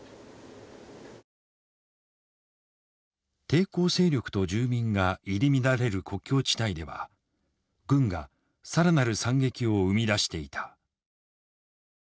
抵抗勢力と住民が入り乱れる国境地帯では軍が更なる惨劇を生み出していた。